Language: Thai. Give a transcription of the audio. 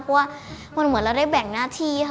เพราะว่ามันเหมือนเราได้แบ่งหน้าที่ค่ะ